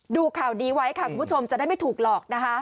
ดูข่าวนี้ไว้ค่ะคุณผู้ชมจะได้ไม่ถูกหลอกนะคะ